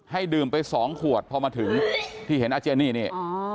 ดื่มไปสองขวดพอมาถึงที่เห็นอาเจนี่นี่